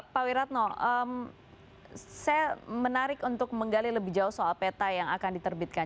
pak wiratno saya menarik untuk menggali lebih jauh soal peta yang akan diterbitkan